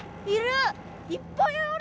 いる！